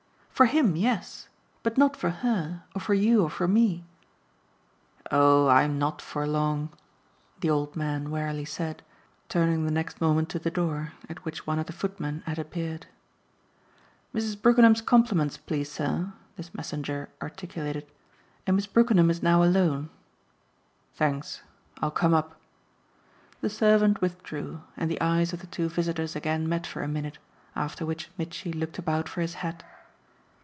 "For HIM, yes. But not for her or for you or for me." "Oh I'm not for long!" the old man wearily said, turning the next moment to the door, at which one of the footmen had appeared. "Mrs. Brookenham's compliments, please sir," this messenger articulated, "and Miss Brookenham is now alone." "Thanks I'll come up." The servant withdrew, and the eyes of the two visitors again met for a minute, after which Mitchy looked about for his hat.